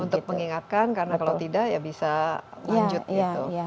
untuk mengingatkan karena kalau tidak ya bisa lanjut gitu